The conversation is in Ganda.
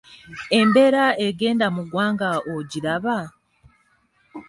Embeera egenda mu ggwanga ogiraba?